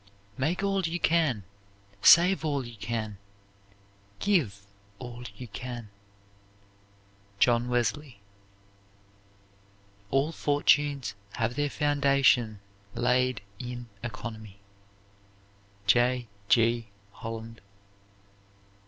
"Make all you can, save all you can, give all you can." JOHN WESLEY. "All fortunes have their foundation laid in economy." J. G. HOLLAND.